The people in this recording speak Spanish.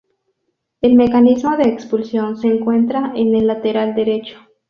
El mecanismo de expulsión se encuentra en el lateral derecho.